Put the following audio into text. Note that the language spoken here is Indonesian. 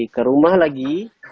ke rumah lagi